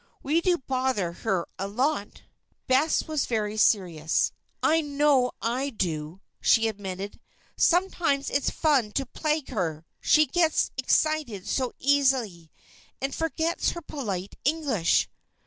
We do bother her a lot." Bess was very serious. "I know I do," she admitted. "Sometimes it's fun to plague her she gets excited so easily, and forgets her polite English."